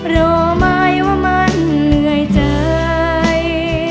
รอไหมว่ามันเหนื่อยใจ